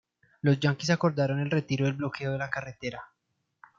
Los yaquis acordaron el retiro del bloqueo de la carretera.